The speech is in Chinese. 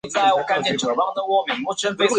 此病毒并不会感染人。